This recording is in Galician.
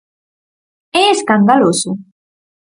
¡É escandaloso!